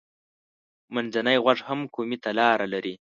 منځنی غوږ هم کومي ته لاره لري.